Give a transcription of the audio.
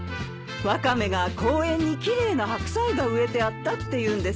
ワカメが公園に奇麗なハクサイが植えてあったって言うんです。